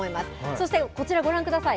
そして、こちらご覧ください。